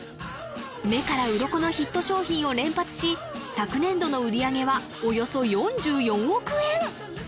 目からうろこのヒット商品を連発し昨年度の売り上げはおよそ４４億円！